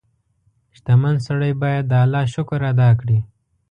• شتمن سړی باید د الله شکر ادا کړي.